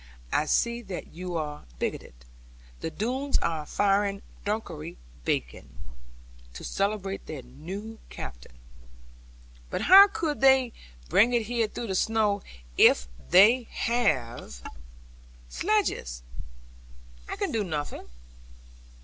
I see that you are bigoted. The Doones are firing Dunkery beacon, to celebrate their new captain.' 'But how could they bring it here through the snow? If they have sledges, I can do nothing.'